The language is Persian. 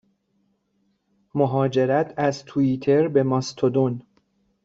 مهاجرت از توییتر به ماستودون